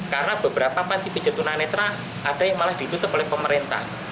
karena beberapa panti pejetunanetra ada yang malah ditutup oleh pemerintah